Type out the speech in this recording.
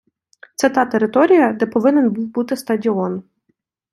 Це та територія, де повинен був бути стадіон.